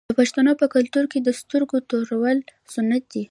د پښتنو په کلتور کې د سترګو تورول سنت دي.